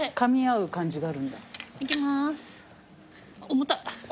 重たい。